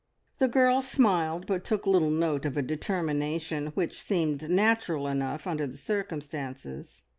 The girls smiled, but took little note of a determination which seemed natural enough under the circumstances.